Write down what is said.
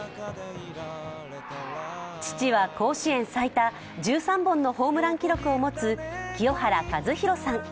父は甲子園最多、１３本のホームラン記録を持つ清原和博さん。